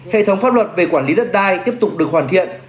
hệ thống pháp luật về quản lý đất đai tiếp tục được hoàn thiện